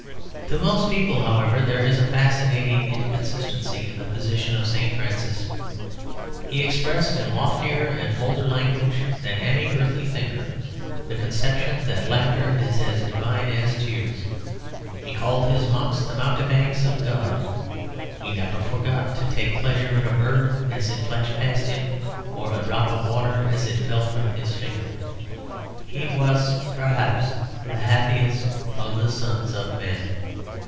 To most people, however, there is a fascinating inconsistency in the position of St. Francis. He expressed in loftier and bolder language than any earthly thinker the conception that laughter is as divine as tears. He called his monks the mountebanks of God. He never forgot to take pleasure in a bird as it flashed past him, or a drop of water, as it fell from his finger: he was, perhaps, the happiest of the sons of men.